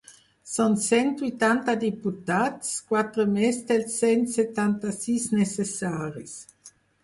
Són cent vuitanta diputats, quatre més dels cent setanta-sis necessaris.